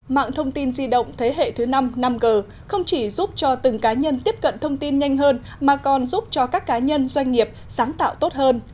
mạng thông tin di động thế hệ thứ năm năm g không chỉ giúp cho từng cá nhân tiếp cận thông tin nhanh hơn mà còn giúp cho các cá nhân doanh nghiệp sáng tạo tốt hơn